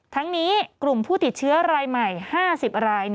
ทั้งนี้กลุ่มผู้ติดเชื้อรายใหม่๕๐ราย